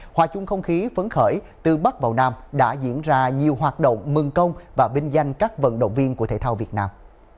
hòa chung không khí phấn khởi từ bắc vào nam đã diễn ra nhiều hoạt động mừng công và vinh danh các vận động viên của thể thao việt nam